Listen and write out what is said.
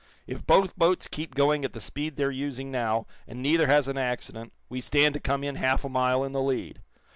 If both boats keep going at the speed they're using now, and neither has an accident, we stand to come in half a mile in the lead."